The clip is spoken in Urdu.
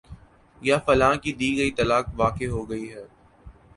یا فلاں کی دی گئی طلاق واقع ہو گئی ہے